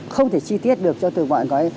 không thể chi tiết được cho từ mọi người